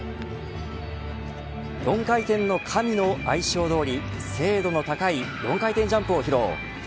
４回転の神の愛称どおり精度の高い４回転ジャンプを披露。